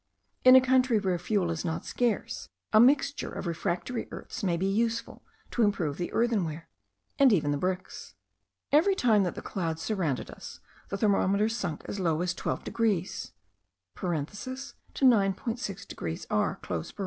In a country where fuel is not scarce, a mixture of refractory earths may be useful, to improve the earthenware, and even the bricks. Every time that the clouds surrounded us, the thermometer sunk as low as 12 degrees (to 9.6 degrees R.)